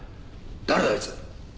誰だあいつ！